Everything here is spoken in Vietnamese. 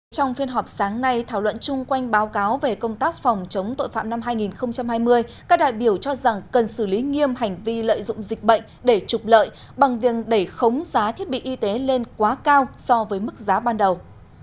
trong phiên họp sáng nay thảo luận chung quanh báo cáo về công tác phòng chống tội phạm năm hai nghìn hai mươi các đại biểu cho rằng cần xử lý nghiêm hành vi lợi dụng dịch bệnh để trục lợi bằng viên đẩy khống giá thiết bị y tế lên quá cao so với mức giá ban đầu